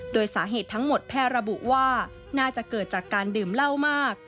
โดยสาเหตุทั้งหมดแพทย์ระบุว่าน่าจะเกิดจากการดื่มเหล้ามาก